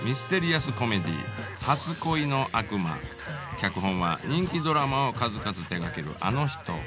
脚本は人気ドラマを数々手がけるあの人。